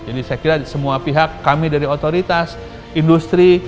jadi saya kira semua pihak kami dari otoritas industri